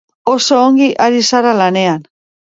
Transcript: Oso ongi ari zara lanean.